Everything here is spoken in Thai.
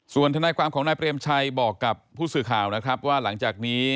ส่วนทนายความของนายเปรมชัยบอกกับผู้สื่อข่าวนะครับว่าหลังจากนี้